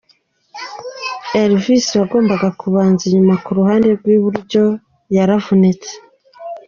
Alves wagombaga kubanza inyuma ku ruhande rw’iburyo yaravunitse.